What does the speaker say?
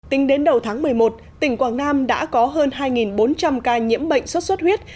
tính đến đầu tháng một mươi một tỉnh quảng nam đã có hơn hai bốn trăm linh ca nhiễm bệnh xuất xuất huyết